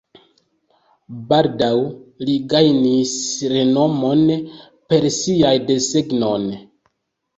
Baldaŭ li gajnis renomon per siaj desegnoj.